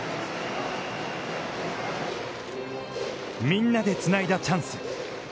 みんなでつないだチャンス。